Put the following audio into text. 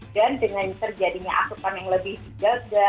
dan dengan terjadinya asuransi yang lebih sejaga